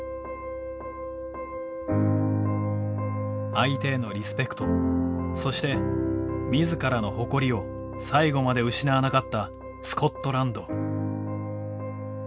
相手へのリスペクトそして自らの誇りを最後まで失わなかったスコットランド。